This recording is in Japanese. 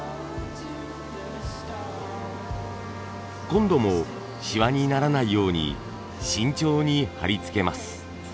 今度もシワにならないように慎重に貼り付けます。